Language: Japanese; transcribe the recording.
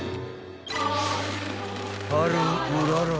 ［春うらら